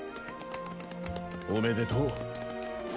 おめでとう。